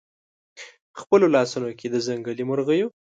خپلو لاسونو کې د ځنګلي مرغیو